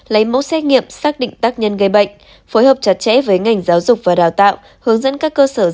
lấy mẫu xét nghiệm xác định tác nhân gây bệnh phối hợp chặt chẽ với ngành giáo dục và đào tạo